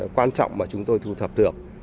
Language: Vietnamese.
quan trọng mà chúng tôi thu thập được